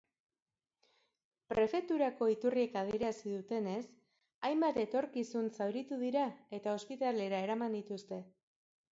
Prefeturako iturriek adierazi dutenez, hainbat etorkizun zauritu dira eta ospitalera eraman dituzte.